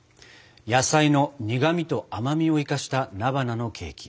野菜の苦みと甘みを生かした菜花のケーキ。